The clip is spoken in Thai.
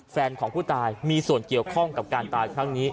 แฟนของผู้ตายมีส่วนเกี่ยวข้องกับการตายครั้งนี้